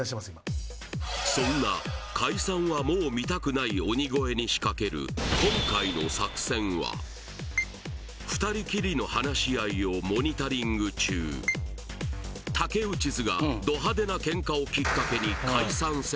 そんな解散はもう見たくない鬼越に仕掛ける今回の作戦は二人きりの話し合いをモニタリング中竹内ズがド派手なケンカをきっかけに解散宣言